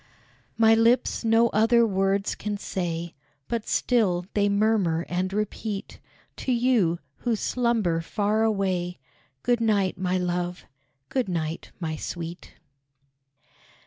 My lips no other words can say, But still they murmur and repeat To you, who slumber far away, Good night, my love! good night, my sweet!